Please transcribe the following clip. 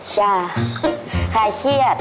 จ้ะใครเชียด